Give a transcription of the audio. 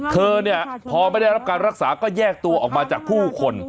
เธอเนี่ยพอไม่ได้รับการรักษาก็แยกตัวออกมาจากผู้คน